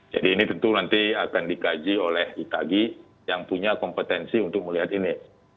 jadi ini tentu nanti akan dikaji oleh itagi yang punya kompetensi untuk melihat ini